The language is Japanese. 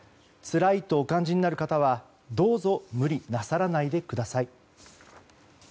つらいとお感じになる方はどうぞ無理なさらないでください。